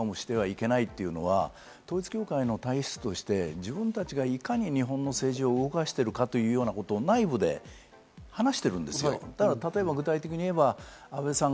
過小評価もしてはいけないし、過大評価もしてはいけないというのは統一教会の体質として、自分たちがいかに日本の政治を動かしているかというようなことを内部で話しているんですよ。